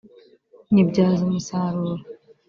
nyibyaza umusaruro